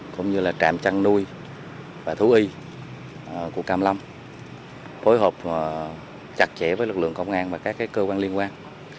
cũng như là trạm chăn nuôi và thú y của cam lâm phối hợp chặt chẽ với lực lượng công an và các cơ quan liên quan